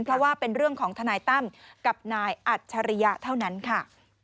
เพราะว่าเป็นเรื่องของทนายตั้มกับนายอัจฉริยะเท่านั้นค่ะ